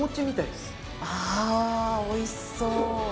あおいしそう！